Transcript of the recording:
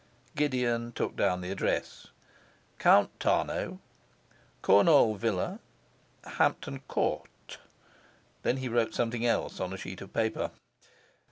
Gideon took down the address, 'Count Tarnow, Kurnaul Villa, Hampton Court.' Then he wrote something else on a sheet of paper.